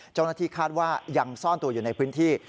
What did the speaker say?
เจ้าหน้าที่คาดว่ายังซ่อนตัวอยู่ในพื้นที่